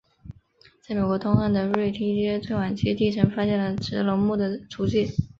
在美国东岸的瑞提阶最晚期地层发现了植龙目的足迹。